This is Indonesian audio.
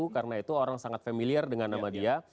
karena itu orang sangat familiar dengan nama dia